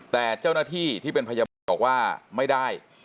แต่เจ้าหน้าที่ที่เป็นพยาบาลบอกว่าไม่ได้